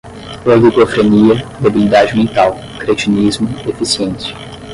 oligofrenia, debilidade mental, cretinismo, deficiência